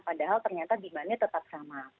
padahal ternyata demandnya tetap sama